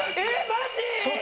マジ？